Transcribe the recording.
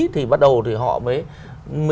thì bắt đầu thì họ mới